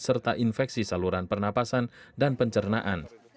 serta infeksi saluran pernapasan dan pencernaan